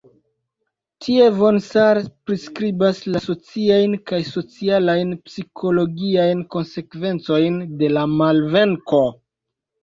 Tie von Saar priskribas la sociajn kaj socialajn-psikologiajn konsekvencojn de la malvenko.